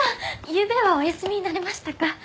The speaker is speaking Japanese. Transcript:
ゆうべはお休みになれましたか？